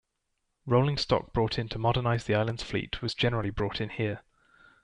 Rolling stock brought in to modernise the island's fleet was generally brought in here.